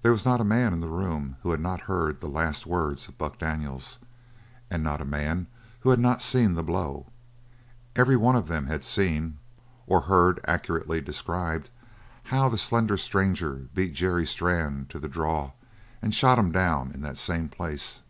There was not a man in the room who had not heard the last words of Buck Daniels, and not a man who had not seen the blow. Everyone of them had seen, or heard accurately described, how the slender stranger beat Jerry Strann to the draw and shot him down in that same place.